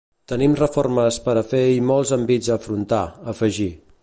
Tenim reformes per a fer i molts envits a afrontar, afegí.